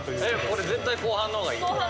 これ絶対後半の方がいい。